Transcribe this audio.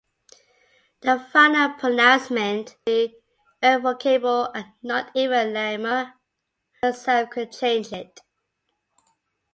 The final pronouncement would be irrevocable and not even Laima herself could change it.